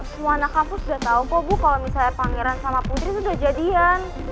semua anak kampus udah tau kok bu kalau misalnya pangeran sama putri tuh udah jadian